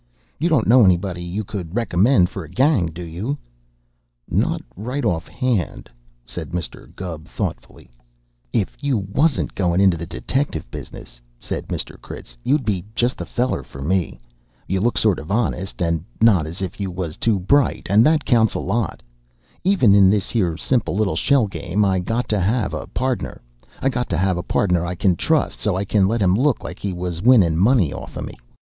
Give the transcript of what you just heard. You don't know anybody you could recommend for a gang, do you?" "Not right offhand," said Mr. Gubb thoughtfully. [Illustration: "THIS SHELL GAME IS EASY ENOUGH WHEN YOU KNOW HOW"] "If you wasn't goin' into the detective business," said Mr. Critz, "you'd be just the feller for me. You look sort of honest and not as if you was too bright, and that counts a lot. Even in this here simple little shell game I got to have a podner. I got to have a podner I can trust, so I can let him look like he was winnin' money off of me.